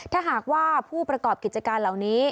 ถ้าหากว่าผู้ประกอบกิจการเหล่านี้